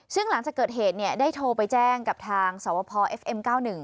ซึ่งหลังจากเกิดเหตุได้โทรไปแจ้งกับทางสวพฟเอฟเอ็มเก้าหนึ่ง